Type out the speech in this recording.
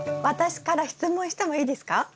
私から質問してもいいですか？